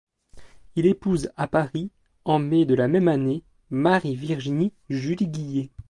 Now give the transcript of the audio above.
Il épouse à Paris, en mai de la même année Marie-Virginie-Julie Gillet.